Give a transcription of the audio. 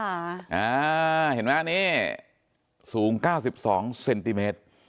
อ่าเห็นไหมอันนี้สูง๙๒เซนติเมตร